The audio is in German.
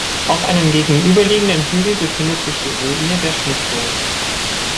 Auf einem gegenüberliegenden Hügel befindet sich die Ruine der Schmidtburg.